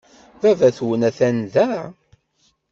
Baba-twent atan da?